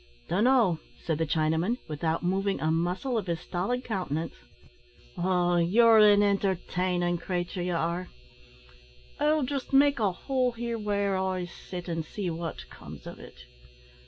"Dun no," said the Chinaman, without moving a muscle of his stolid countenance. "Oh! ye're an entertainin' cratur, ye are; I'll just make a hole here where I sit, an' see what comes of it.